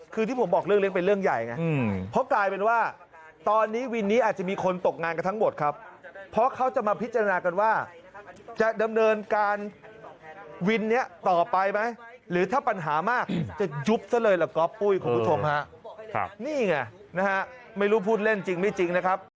คือที่ผมบอกเรื่องเลี้ยเป็นเรื่องใหญ่ไงเพราะกลายเป็นว่าตอนนี้วินนี้อาจจะมีคนตกงานกันทั้งหมดครับเพราะเขาจะมาพิจารณากันว่าจะดำเนินการวินนี้ต่อไปไหมหรือถ้าปัญหามากจะยุบซะเลยล่ะก๊อปปุ้ยคุณผู้ชมฮะนี่ไงนะฮะไม่รู้พูดเล่นจริงไม่จริงนะครับ